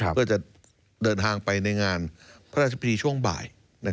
เพื่อจะเดินทางไปในงานพระราชพิธีช่วงบ่าย